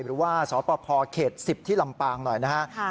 หรือว่าสพเขตต์๑๐สลำบางอย่างหน่อย